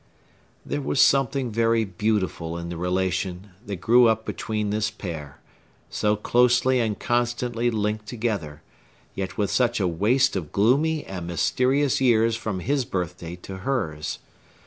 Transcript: There was something very beautiful in the relation that grew up between this pair, so closely and constantly linked together, yet with such a waste of gloomy and mysterious years from his birthday to hers.